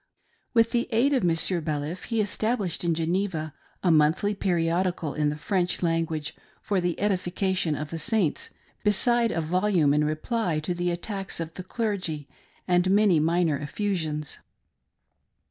With the aid of Monsieur Baliff, he established in Geneva a monthly periodi cal in the French language, for the edification of the Saints, beside a volume in reply to the attacks of the clergy, and many minor effusions.